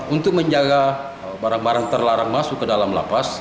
untuk menjaga barang barang terlarang masuk ke dalam lapas